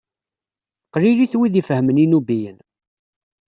Qlilit wid ifehhmen inubiyen.